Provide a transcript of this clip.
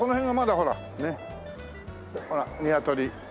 ほら「鶏」。